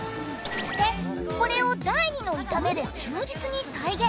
そしてこれを第２の炒めで忠実に再現。